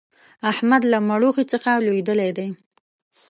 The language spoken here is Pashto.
احمد له مړوښې څخه لوېدلی دی.